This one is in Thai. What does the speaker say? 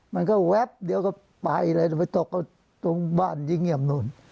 แวบเดียวก็ไปเลยไปตกตรงบ้านยิ่งเงียบนู่น